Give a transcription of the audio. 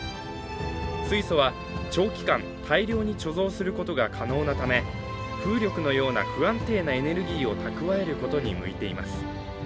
水素は長期間大量に貯蔵することが可能なため、風力のような不安定なエネルギーを蓄えることに向いています。